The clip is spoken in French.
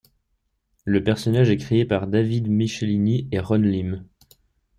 Le personnage est créé par David Michelinie et Ron Lim.